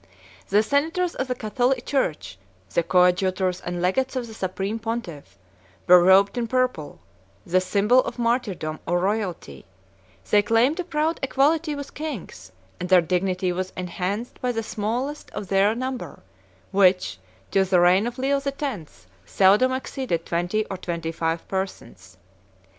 The senators of the Catholic church, the coadjutors and legates of the supreme pontiff, were robed in purple, the symbol of martyrdom or royalty; they claimed a proud equality with kings; and their dignity was enhanced by the smallness of their number, which, till the reign of Leo the Tenth, seldom exceeded twenty or twenty five persons.